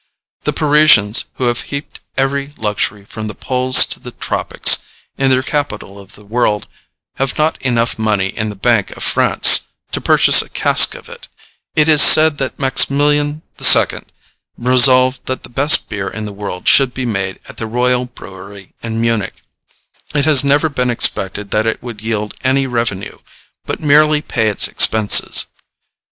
The Parisians, who have heaped every luxury, from the poles to the tropics, in their capital of the world, have not enough money in the Bank of France to purchase a cask of it. It is said that Maximilian II. resolved that the best beer in the world should be made at the royal brewery in Munich. It has never been expected that it would yield any revenue, but merely pay its expenses.